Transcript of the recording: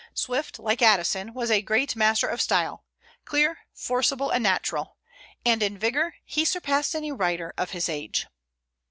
Swift, like Addison, was a great master of style, clear, forcible, and natural; and in vigor he surpassed any writer of his age.